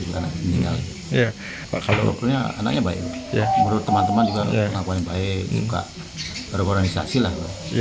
ini bukan berorganisasi lah